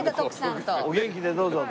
お元気でどうぞ。